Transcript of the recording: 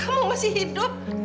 kamu masih hidup